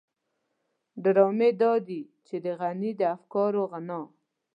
ډرامې دادي چې د غني د افکارو غنا.